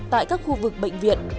tại các khu vực bệnh viện